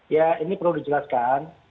ya ini perlu dijelaskan